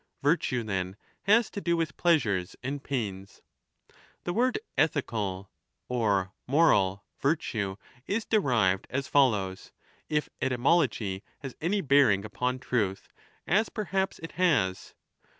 Virtue then has to do with pleasures and pains. The word ' ethical ' (or ' moral ') virtue is derived as follows, if etymology has any bearing upon truth, as perhaps 1186^ it has.